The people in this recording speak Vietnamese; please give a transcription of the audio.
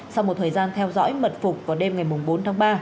sau một thời gian theo dõi mật phục vào đêm ngày bốn tháng ba